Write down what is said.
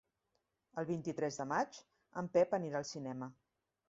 El vint-i-tres de maig en Pep anirà al cinema.